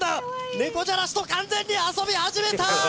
猫じゃらしと完全に遊び始めた！